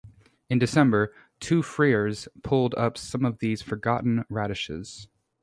In December, two friars pulled up some of these forgotten radishes.